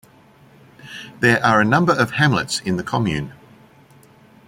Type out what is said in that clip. There are a number of hamlets in the commune.